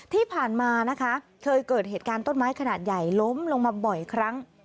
ที่ผ่านมานะคะเคยเกิดเหตุการณ์ต้นไม้ขนาดใหญ่ล้มลงมาบ่อยครั้ง